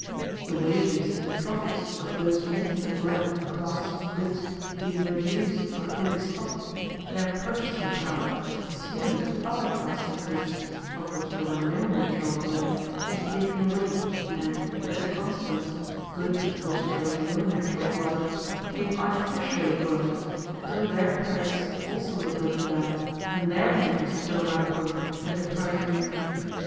The wages and profits of those making the glutted classes of goods being reduced or wholly stopped, their purchasing power as consumers of other classes of goods, of which there were no natural glut, was taken away, and, as a consequence, goods of which there was no natural glut became artificially glutted, till their prices also were broken down, and their makers thrown out of work and deprived of income.